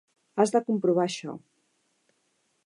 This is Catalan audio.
Has de comprovar això.